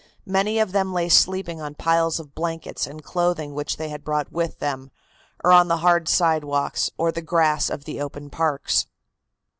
Many of them lay sleeping on piles of blankets and clothing which they had brought with them, or on the hard sidewalks, or the grass of the open parks.